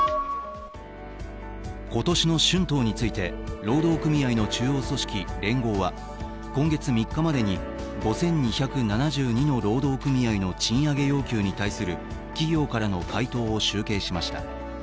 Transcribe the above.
今年の春闘について、労働組合の中央組織、連合は今月３日までに、５２７２の労働組合の賃上げ要求に対する企業からの回答を集計しました。